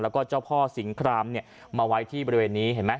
แล้วก็เจ้าพ่อสิงครามเนี่ยมาไว้ที่บริเวณนี้เห็นไหม